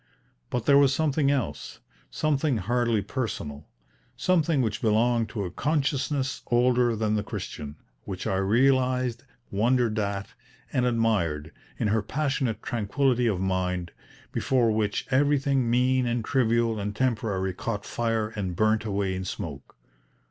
But there was something else, something hardly personal, something which belonged to a consciousness older than the Christian, which I realised, wondered at, and admired, in her passionate tranquillity of mind, before which everything mean and trivial and temporary caught fire and burnt away in smoke.